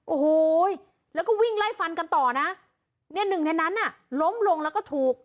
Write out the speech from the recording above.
โอ้โหแล้วก็วิ่งไล่ฟันกันต่อนะเนี่ยหนึ่งในนั้นน่ะล้มลงแล้วก็ถูก